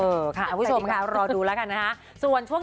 เออค่ะอาวุธสมครับรอดูแล้วกันนะฮะ